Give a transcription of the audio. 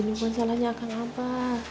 bukan salahnya akang abah